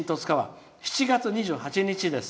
７月２８日です。